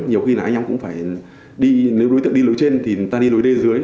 nhiều khi là anh em cũng phải đi nếu đối tượng đi lối trên thì ta đi lối d dưới